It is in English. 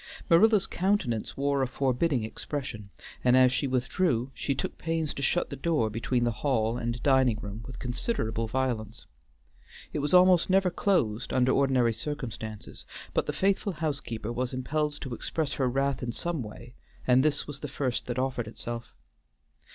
Marilla's countenance wore a forbidding expression, and as she withdrew she took pains to shut the door between the hall and dining room with considerable violence. It was almost never closed under ordinary circumstances, but the faithful housekeeper was impelled to express her wrath in some way, and this was the first that offered itself.